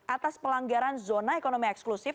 atas pelanggaran zona ekonomi eksklusif